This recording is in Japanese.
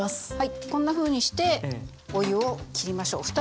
こんなふうにしてお湯を切りましょう。